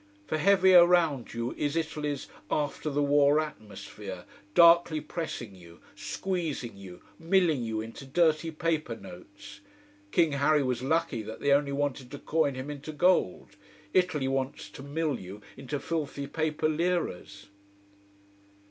For heavy around you is Italy's after the war atmosphere, darkly pressing you, squeezing you, milling you into dirty paper notes. King Harry was lucky that they only wanted to coin him into gold. Italy wants to mill you into filthy paper Liras.